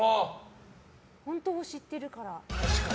本当を知っているから。